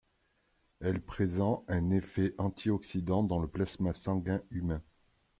Elle présent un effet antioxydant dans le plasma sanguin humain.